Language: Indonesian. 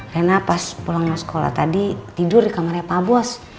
rena pas pulang sekolah tadi tidur di kamarnya pak bos